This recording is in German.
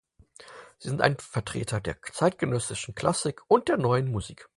Sie sind ein Vertreter der zeitgenössischen Klassik und der Neuen Musik.